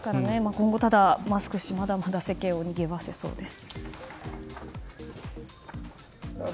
今後、ただマスク氏まだまだ世間をにぎわせそうです。